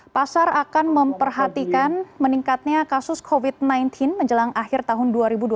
pasar akan memperhatikan meningkatnya kasus covid sembilan belas menjelang akhir tahun dua ribu dua puluh